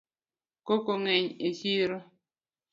Koko ng'eny e chiro